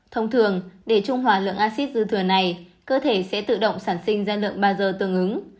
thông thường để trung hòa lượng acid dư thừa này cơ thể sẽ tự động sản sinh ra lượng ba giờ tương ứng